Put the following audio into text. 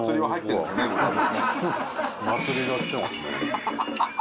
祭りが来てますね。